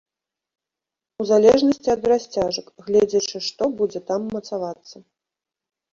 У залежнасці ад расцяжак, гледзячы што будзе там мацавацца.